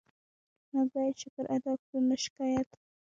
موږ باید شکر ادا کړو، نه شکایت.